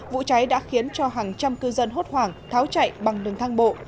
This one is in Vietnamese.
vụ cháy đã khiến cho hàng trăm cư dân hốt hoảng tháo chạy bằng đường thang bộ